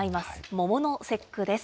桃の節句です。